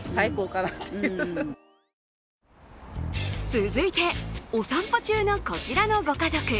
続いて、お散歩中のこちらのご家族。